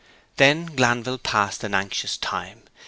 Then Glanville passed an anxious time.